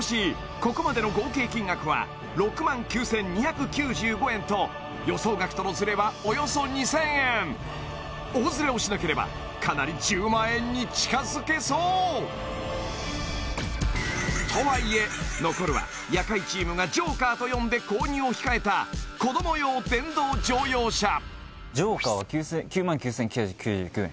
ここまでの合計金額は６９２９５円と予想額とのズレはおよそ２０００円大ズレをしなければかなり１０万円に近づけそうとはいえ残るは夜会チームがＪＯＫＥＲと読んで購入を控えた子ども用電動乗用車ＪＯＫＥＲは９９９９９円